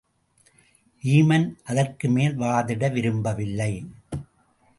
வீமன் அதற்குமேல் வாதிட விரும்பவில்லை.